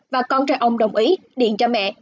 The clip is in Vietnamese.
và con trai ông đồng ý điện cho mẹ